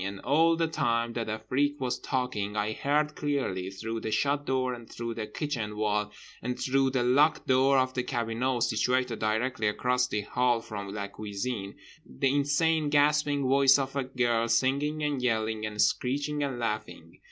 And all the time that Afrique was talking I heard clearly, through the shut door and through the kitchen wall and through the locked door of the cabinot situated directly across the hall from la cuisine, the insane gasping voice of a girl singing and yelling and screeching and laughing.